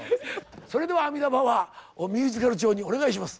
それでは「アミダばばあ」をミュージカル調にお願いします。